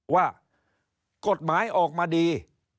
ว่ากฎหมายออกมาดี